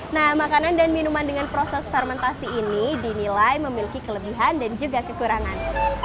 nah makanan dan minuman dengan proses fermentasi ini dinilai memiliki kelebihan dan juga kekurangan